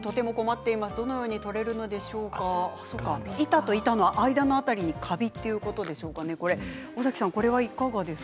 板と板の間の辺りにカビということでしょうかね。